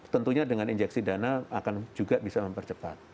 tentunya dengan injeksi dana akan juga bisa mempercepat